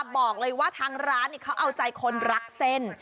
บอกเลยว่าทางร้านเขาเอาใจคนรักเส้น